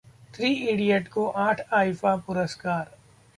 three idiot को आठ IIFA पुरस्कार